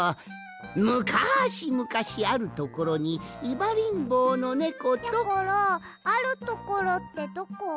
むかしむかしあるところにいばりんぼうのネコと。やころあるところってどこ？